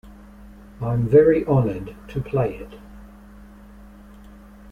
I'm very honoured to play it.